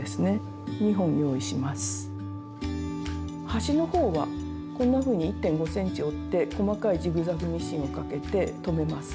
端のほうはこんなふうに１．５ｃｍ折って細かいジグザグミシンをかけて留めます。